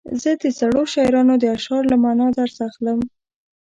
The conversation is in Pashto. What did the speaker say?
زه د زړو شاعرانو د اشعارو له معنا درس اخلم.